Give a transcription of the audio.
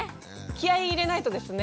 気合い入れないとですね。